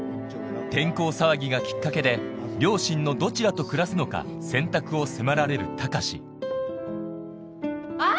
転校騒ぎがきっかけで両親のどちらと暮らすのか選択を迫られる高志あ